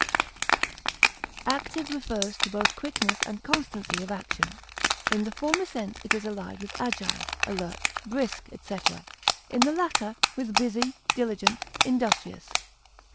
diligent, nimble, Active refers to both quickness and constancy of action; in the former sense it is allied with agile, alert, brisk, etc.; in the latter, with busy, diligent, industrious.